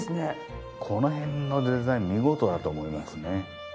この辺のデザイン見事だと思いますね。